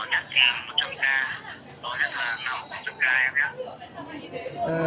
lấy gói nhặt là năm trăm linh k em ạ